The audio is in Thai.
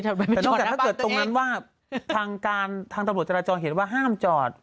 แต่นอกจากถ้าเกิดตรงนั้นว่าทางการทางตำรวจจราจรเห็นว่าห้ามจอด